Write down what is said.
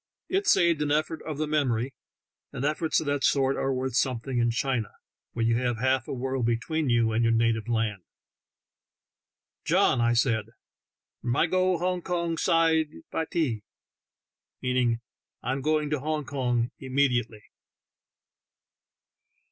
It saved an effort of the memory, and efforts of that sort are worth some thing in China, where you have half a world between you and your native land. "John," I said, "my go Hong Kong .side, fai tee "— I am going to Hong Kong immediately.